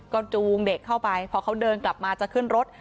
ก็จูงเด็กเข้าไปพอเขาเดินกลับมาจะขึ้นรถ